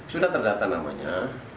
sudah terdata namanya